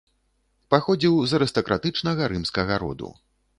Паходзіў з арыстакратычнага рымскага роду.